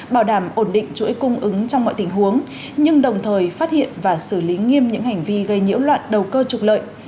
bảo đảm ổn định chuỗi cung ứng trong mọi tình huống nhưng đồng thời phát hiện và xử lý nghiêm những hành vi gây nhiễu loạn đầu cơ trục lợi